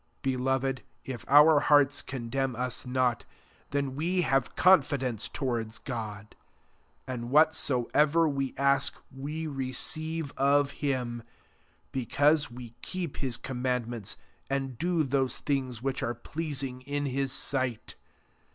21 Be loved, if our hearts condemn us not, then we have confidence towards God : 22 and whatso ever we ask, we receive of him, because we keep his command ments, and do those things which are pleasing in his sight.